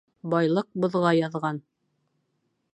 Байлыҡ боҙға яҙған